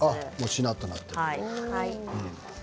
しなっとなっている。